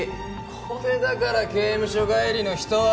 これだから刑務所帰りの人は。